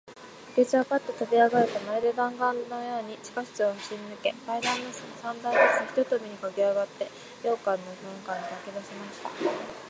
明智はパッととびあがると、まるで弾丸だんがんのように、地下室を走りぬけ、階段を三段ずつ一とびにかけあがって、洋館の玄関にかけだしました。